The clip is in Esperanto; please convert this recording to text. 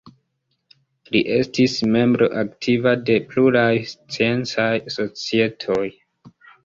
Li estis membro aktiva de pluraj sciencaj societoj.